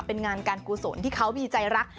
เป็นงานการกุศลที่เขามีใจรัก